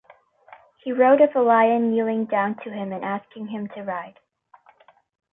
He wrote of a lion kneeling down to him and asking him to ride.